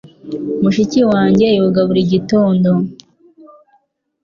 Mushiki wanjye yoga buri gitondo.